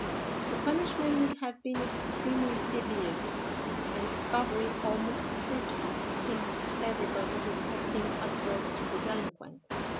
The punishment would have been extremely severe, and discovery almost certain, since everybody would have been adverse to the delinquent.